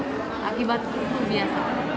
itu akibat apa